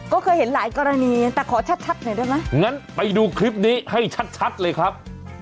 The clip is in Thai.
ก็เคยเห็นหลายกรณีแต่ขอชัดหน่อยได้ไหมงั้นไปดูคลิปนี้ให้ชัดเลยครับ